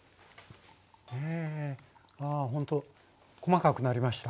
あほんと細かくなりました。